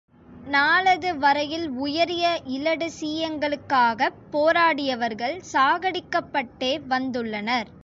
நாளது வரையில் உயரிய இலடுசீயங்களுக்காகப் போராடியவர்கள் சாகடிக்கப் பட்டே வந்துள்ளனர்.